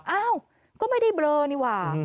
อ้าวก็ไม่ได้เบลอนี่หว่า